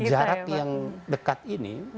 jarak yang dekat ini